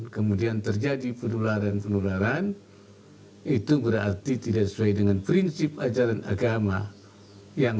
kemudian terjadi penularan penularan itu berarti tidak sesuai dengan prinsip ajaran agama yang